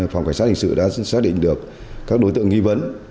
hình sự đã xác định được các đối tượng nghi vấn